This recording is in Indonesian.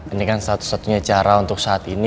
ini kan satu satunya cara untuk saat ini